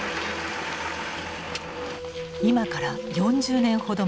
今から４０年ほど前。